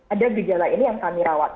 ada gejala ini yang kami rawat